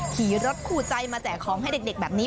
ขี่รถคู่ใจมาแจกของให้เด็กแบบนี้